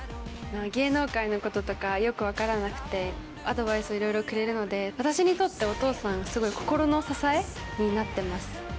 芸能界のこととかよく分からなくてアドバイスいろいろくれるので私にとってお父さんはすごい心の支えになってます。